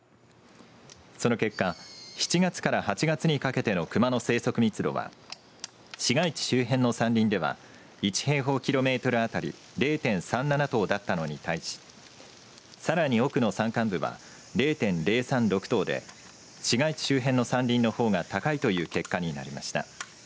その結果、７月から８月にかけてのクマの生息密度は市街地周辺の山林では１平方キロメートルあたり０．３７頭だったのに対しさらに多くの山間部は０．０３６頭で市街地周辺の山林のほうが高いという結果になりました。